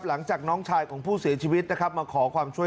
หลังจากน้องชายของผู้เสียชีวิตนะครับมาขอความช่วย